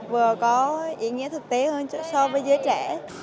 vừa có ý nghĩa thực tế hơn so với giới trẻ